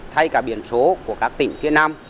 thay cả biện số của các tỉnh phía nam